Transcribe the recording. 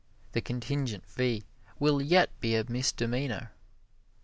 The contingent fee will yet be a misdemeanor.